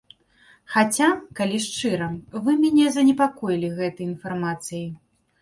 Хаця, калі шчыра, вы мяне занепакоілі гэтай інфармацыяй.